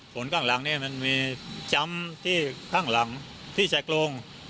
ข้างหลังเนี่ยมันมีจำที่ข้างหลังที่ชายโครง